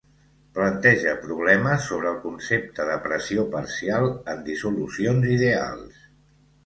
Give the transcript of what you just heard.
Planteja problemes sobre el concepte de pressió parcial en dissolucions ideals.